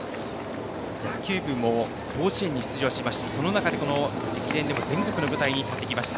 野球部も甲子園に出場しましてその中で、駅伝でも全国の舞台に立ってきました。